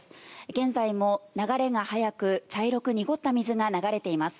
現在も流れが速く、茶色く濁った水が流れています。